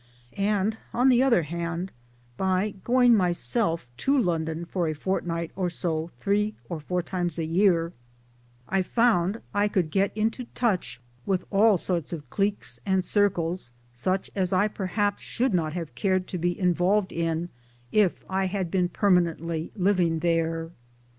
And on the other hand, by going myself to London for a fortnight or so three or four times a year, I found I could g^et into touch ISO MY DAYS AND DREAMS with all sorts of cliques and circles such as I perhaps should not have cared to be involved in if I had been permanently living there